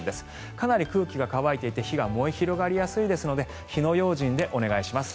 かなり空気が乾いていて火が燃え広がりやすいですので火の用心でお願いします。